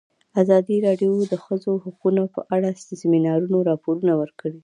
ازادي راډیو د د ښځو حقونه په اړه د سیمینارونو راپورونه ورکړي.